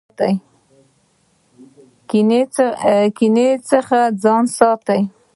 کینې څخه ځان ساتئ